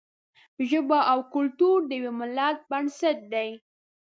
ژبه او کلتور د یوه ملت بنسټ دی.